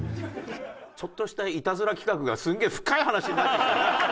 ちょっとしたイタズラ企画がすげえ深い話になってきたな。